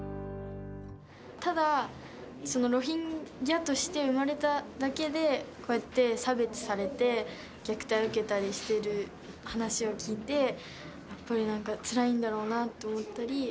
ただ、そのロヒンギャとして生まれただけで、こうやって差別されて、虐待を受けたりしてる話を聞いて、やっぱりなんか、つらいんだろう